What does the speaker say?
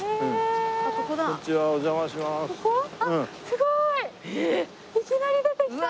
すごい。